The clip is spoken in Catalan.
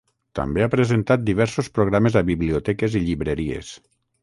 També ha presentat diversos programes a biblioteques i llibreries.